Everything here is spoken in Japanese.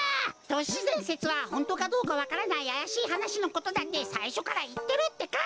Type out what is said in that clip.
都市伝説はホントかどうかわからないあやしいはなしのことだってさいしょからいってるってか！